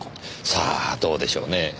さあどうでしょうねぇ。